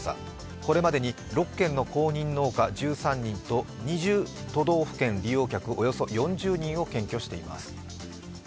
これまでに６県の公認農家１３人と２０都道府県の利用客およそ４０人を検挙しています。